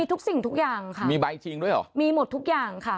ทุกสิ่งทุกอย่างค่ะมีใบจริงด้วยเหรอมีหมดทุกอย่างค่ะ